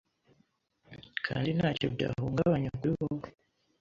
kandi Ntacyo byahungabanya kuri wowe